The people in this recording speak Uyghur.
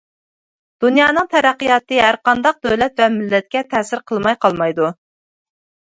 دۇنيانىڭ تەرەققىياتى ھەرقانداق دۆلەت ۋە مىللەتكە تەسىر قىلماي قالمايدۇ.